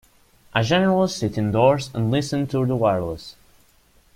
I generally sit indoors and listen to the wireless.